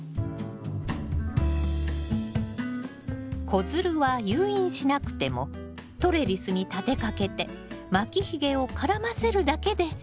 子づるは誘引しなくてもトレリスに立てかけて巻きひげを絡ませるだけでＯＫよ。